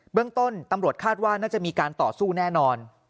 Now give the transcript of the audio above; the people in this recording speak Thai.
เรื่องต้นตำรวจคาดว่าน่าจะมีการต่อสู้แน่นอน